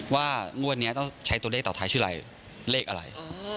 งวดนี้ต้องใช้ตัวเลขต่อท้ายชื่ออะไรเลขอะไร